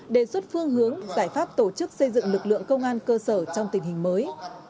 đề xuất phương hướng giải pháp tổ chức xây dựng lực lượng công an cơ sở trong tình hình mới